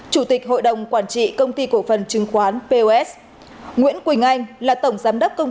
chủ tịch hội đồng quản trị công ty cổ phần chứng khoán pos nguyễn quỳnh anh là tổng giám đốc công